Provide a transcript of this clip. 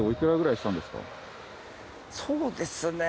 そうですね。